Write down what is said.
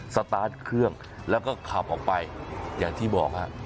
สตาร์ทเครื่องแล้วก็ขับออกไปอย่างที่บอกฮะ